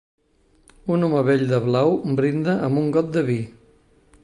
Un home vell de blau brinda amb un got de vi.